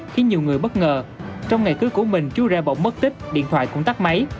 khi nhiều người bất ngờ trong ngày cưới của mình chú rể bỗng mất tích điện thoại cũng tắt máy